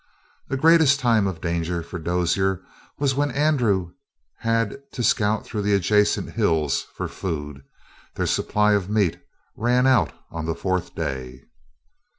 The greatest time of danger for Dozier was when Andrew had to scout through the adjacent hills for food their supply of meat ran out on the fourth day.